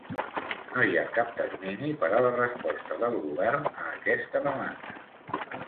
No hi ha cap termini per a la resposta del govern a aquesta demanda.